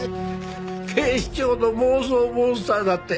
警視庁の妄想モンスターだって！